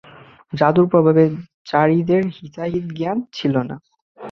জাদুর প্রভাবে যারীদের হিতাহিত জ্ঞান ছিল না।